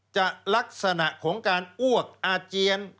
ลักษณะของการอ้วกอาเจียน